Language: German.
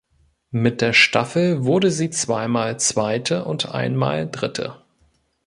Mit der Staffel wurde sie zweimal Zweite und einmal Dritte.